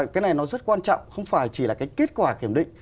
cái này nó rất quan trọng không phải chỉ là cái kết quả kiểm định